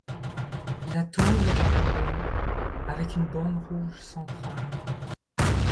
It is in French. La tour est peinte en blanc avec une bande rouge centrale.